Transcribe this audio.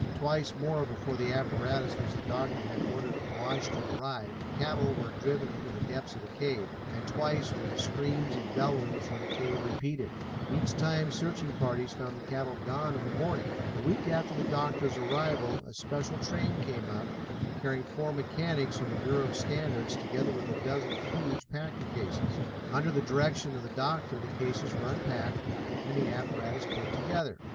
Twice more before the apparatus which the doctor had ordered from Washington arrived cattle were driven into the depths of the cave, and twice were the screams and bellowings from the cave repeated. Each time searching parties found the cattle gone in the morning. A week after the doctor's arrival, a special train came up, carrying four mechanics from the Bureau of Standards, together with a dozen huge packing cases. Under the direction of the doctor the cases were unpacked and the apparatus put together.